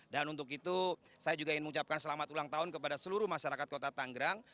dan untuk itu saya juga ingin mengucapkan selamat ulang tahun kepada seluruh masyarakat kota tangerang